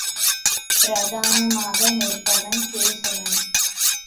பிரதானமாக நிற்பவன் கேசவன்.